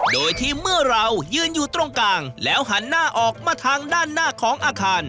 โดยที่เมื่อเรายืนอยู่ตรงกลางแล้วหันหน้าออกมาทางด้านหน้าของอาคาร